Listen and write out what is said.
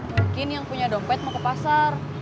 mungkin yang punya dompet mau ke pasar